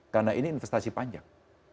karena ini investasi panjang